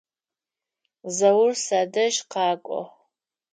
Заур садэжь къэкӏо.